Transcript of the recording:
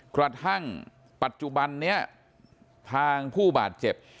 กระทั่งปัจจุบันนี้ทางผู้บาดเจ็บ